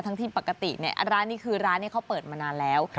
ที่ปกติร้านนี้คือร้านนี้เขาเปิดมานานแล้ว